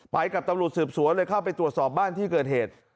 ไปกับตำรวจสืบสวนเลยเข้าไปตรวจสอบบ้านที่เกิดเหตุ